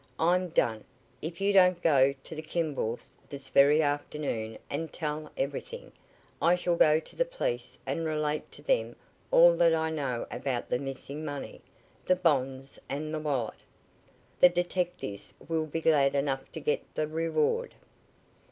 I'm done! If you don't go to the Kimballs' this very afternoon and tell everything, I shall go to the police and relate to them all that I know about the missing money, the bonds and the wallet. The detectives will be glad enough to get the reward."